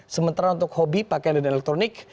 sementara untuk hobi pakaian dan elektronik